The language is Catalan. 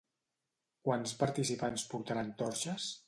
Quants participants portaran torxes?